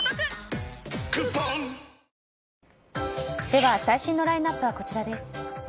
では、最新のラインアップはこちらです。